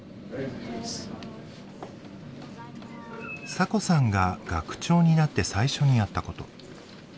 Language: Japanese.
サコさんが学長になって最初にやったこと。